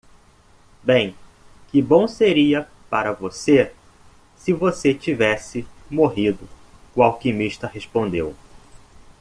"Bem? que bom seria para você se você tivesse morrido " o alquimista respondeu.